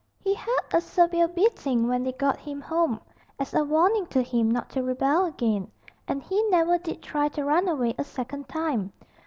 He had a severe beating when they got him home, as a warning to him not to rebel again; and he never did try to run away a second time.